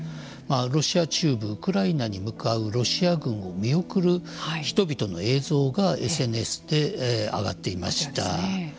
ロシア中部ウクライナに向かうロシア軍を見送る人々の映像がＳＮＳで上がっていました。